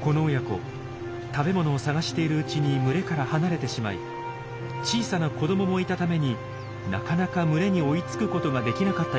この親子食べ物を探しているうちに群れから離れてしまい小さな子どももいたためになかなか群れに追いつくことができなかったようです。